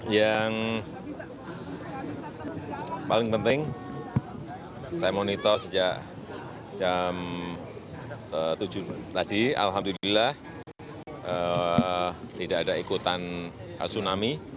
yang paling penting saya monitor sejak jam tujuh tadi alhamdulillah tidak ada ikutan tsunami